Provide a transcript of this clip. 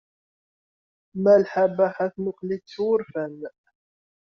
Malḥa Baḥa temmuqqel-itt s wurfan.